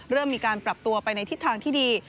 เริ่มมีการปรับตัวไปในทิศทางที่ดี